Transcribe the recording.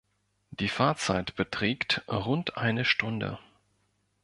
Die Fahrzeit beträgt rund eine Stunde.